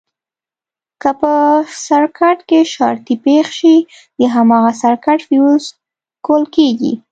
که په سرکټ کې شارټي پېښه شي د هماغه سرکټ فیوز ګل کېږي.